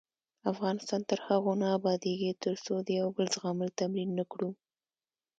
افغانستان تر هغو نه ابادیږي، ترڅو د یو بل زغمل تمرین نکړو.